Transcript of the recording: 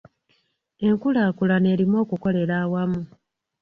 Enkulaakulana erimu okukolera awamu.